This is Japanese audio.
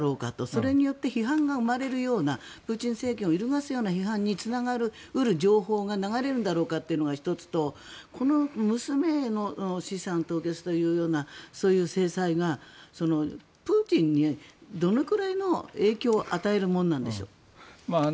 それによって批判が生まれるようなプーチン政権を揺るがすような批判につながり得る情報が流れるんだろうかっていうことが１つとこの娘の資産凍結というような制裁がプーチンにどのくらいの影響を与えるものなんでしょう。